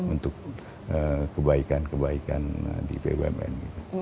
untuk kebaikan kebaikan di bumn